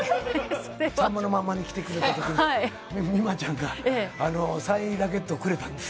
さんまのまんまに来てくれたときに、美誠ちゃんがサイン入りラケットをくれたんです。